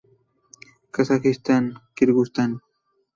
Kazajistán, Kirguistán.